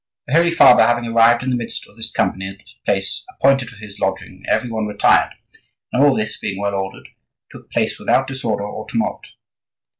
"The Holy Father having arrived in the midst of this company at the place appointed for his lodging, every one retired; and all this, being well ordered, took place without disorder or tumult.